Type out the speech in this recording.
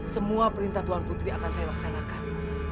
semua perintah tuhan putri akan saya laksanakan